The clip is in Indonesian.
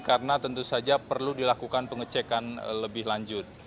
karena tentu saja perlu dilakukan pengecekan lebih lanjut